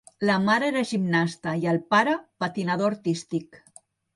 La mare era gimnasta i el pare, patinador artístic.